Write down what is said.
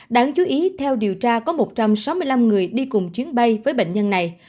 đáng chú ý theo điều tra có một trăm sáu mươi năm người đi cùng chuyến bay với bệnh nhân này